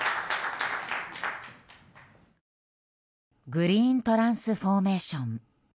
グリーントランスフォーメーション。